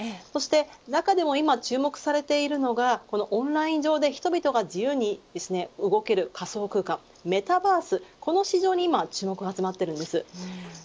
そして中でも今、注目されているのがオンライン上で人々が自由にですね動ける仮想空間メタバース、この市場に今、注目が集まっています。